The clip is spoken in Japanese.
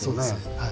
はい。